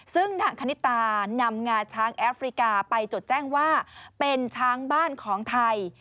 ซึ่งนางคณิตานำงาช้างแอฟริกาไปจดแจ้งว่าเป็นช้างบ้านของไทย